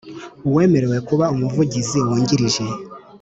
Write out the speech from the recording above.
Uwemerewe kuba Umuvugizi Wungirije